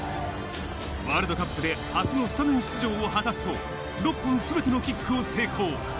ワールドカップで初のスタメン出場を果たすと、６本全てのキックを成功。